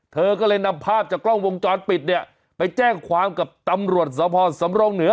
เธอก็เลยนำภาพจากกล้องวงจรปิดเนี่ยไปแจ้งความกับตำรวจสภสำรงเหนือ